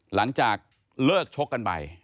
หลังจากเลิกชกกันไป